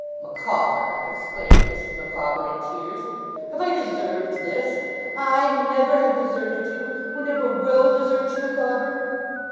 'Micawber!' exclaimed Mrs. Micawber, in tears. 'Have I deserved this! I, who never have deserted you; who never WILL desert you, Micawber!